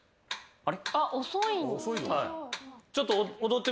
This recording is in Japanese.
あれ？